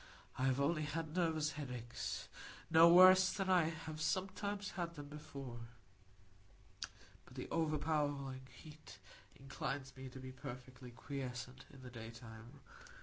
I have only had nervous headaches,—no worse than I have sometimes had them before. But the overpowering heat inclines me to be perfectly quiescent in the daytime.